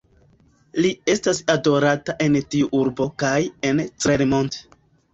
Li estas adorata en tiu urbo kaj en Clermont.